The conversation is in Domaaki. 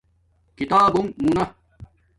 کتابنݣ مونا